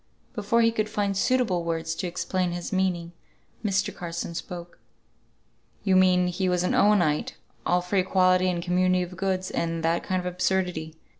Before he could find suitable words to explain his meaning, Mr. Carson spoke. "You mean he was an Owenite; all for equality and community of goods, and that kind of absurdity."